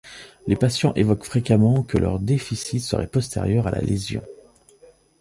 Les patients évoquent fréquemment que leurs déficits seraient postérieurs à la lésion.